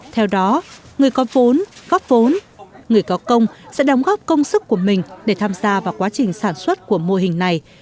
theo đó người có vốn góp vốn người có công sẽ đóng góp công sức của mình để tham gia vào quá trình sản xuất của mô hình này